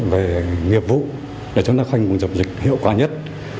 về nghiệp vụ để chúng ta khoanh vùng dập dịch hiệu quả nhất